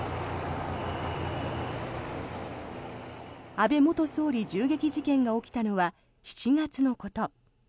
安倍元総理銃撃事件が起きたのは７月のこと。